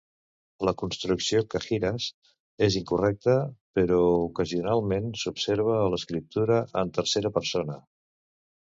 La construcció "kajiras" és incorrecta, però ocasionalment s'observa a l'escriptura en tercera persona.